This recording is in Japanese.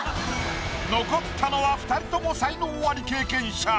残ったのは２人とも才能アリ経験者。